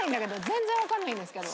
全然わかんないんですけど。